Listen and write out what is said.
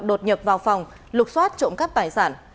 đột nhập vào phòng lục xoát trộm cắp tài sản